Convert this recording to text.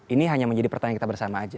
ini hanya menjadi pertanyaan kita bersama aja